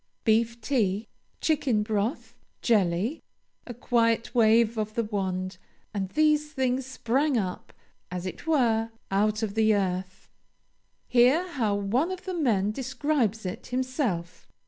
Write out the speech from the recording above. Beef tea, chicken broth, jelly a quiet wave of the wand, and these things sprang up, as it were, out of the earth. Hear how one of the men describes it himself.